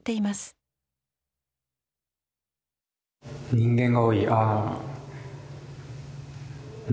ああ人間が多い。